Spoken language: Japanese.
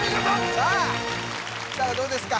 さあ設楽どうですか？